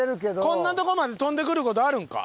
こんなとこまで飛んでくる事あるんか？